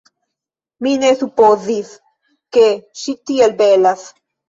Mi ne supozis, ke ŝi tiel belas.